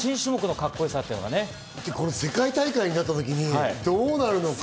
世界大会になったときにどうなるのか。